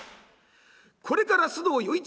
これから須藤与一